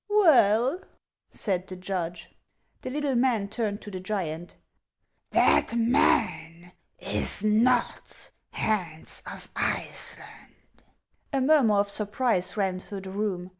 " Well ?" said the judge. The little man turned to the giant :" That man is not Hans of Iceland." A murmur of surprise ran through the room.